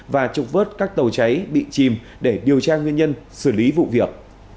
và trục vớt các tàu cháy bị chìm để điều tra nguyên nhân xử lý vụ việc